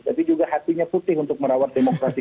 tapi juga hatinya putih untuk merawat demokrasi